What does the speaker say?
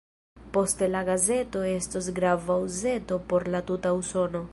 Poste la gazeto estos grava gazeto por la tuta Usono.